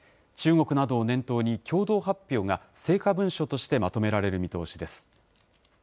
中国などを念頭に、共同発表が、成果文書としてまとめられる見通